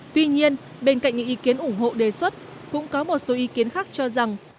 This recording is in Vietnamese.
tuy nhiên bên cạnh những ý kiến ủng hộ đề xuất cũng có một số ý kiến khác cho rằng